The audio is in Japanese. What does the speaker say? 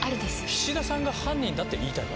菱田さんが犯人だって言いたいの？